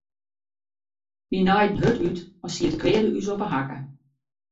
Wy naaiden hurd út as siet de kweade ús op 'e hakke.